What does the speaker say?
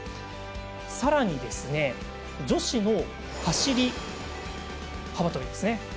さらに、女子の走り幅跳び。